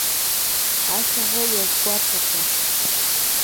Ашәаҳәаҩ иазгәаҭақәа.